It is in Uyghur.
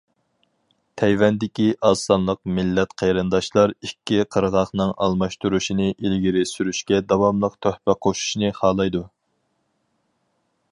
تەيۋەندىكى ئاز سانلىق مىللەت قېرىنداشلار ئىككى قىرغاقنىڭ ئالماشتۇرۇشىنى ئىلگىرى سۈرۈشكە داۋاملىق تۆھپە قوشۇشنى خالايدۇ.